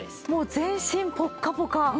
全身ポッカポカ。